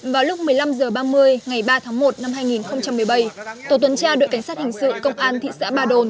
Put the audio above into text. vào lúc một mươi năm h ba mươi ngày ba tháng một năm hai nghìn một mươi bảy tổ tuần tra đội cảnh sát hình sự công an thị xã ba đồn